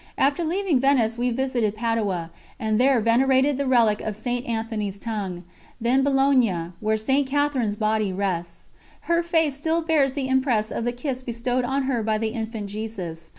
After leaving Venice we visited Padua and there venerated the relic of St. Anthony's tongue; then Bologna, where St. Catherine's body rests. Her face still bears the impress of the kiss bestowed on her by the Infant Jesus.